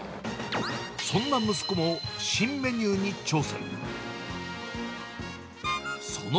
そんな息子も、新メニューに挑戦。